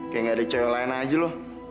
kayak gak ada cowok lain aja lo